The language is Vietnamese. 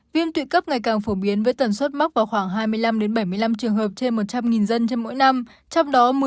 viêm tụy cấp ngày càng phổ biến với tần suất móc vào khoảng hai mươi năm bảy mươi năm trường hợp trên một trăm linh dân trên mỗi năm